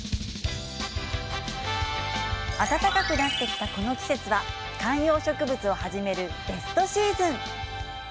暖かくなってきたこの季節は、観葉植物を始めるベストシーズン。